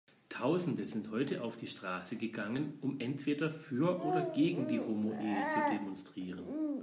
Tausende sind heute auf die Straße gegangen, um entweder für oder gegen die Homoehe zu demonstrieren.